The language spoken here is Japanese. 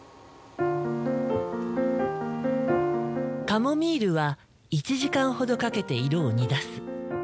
カモミールは１時間ほどかけて色を煮出す。